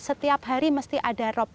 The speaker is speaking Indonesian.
setiap hari mesti ada rop